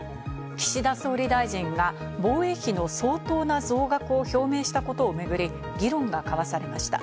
岸田総理大臣は防衛費の相当な増額を表明したことをめぐり議論が交わされました。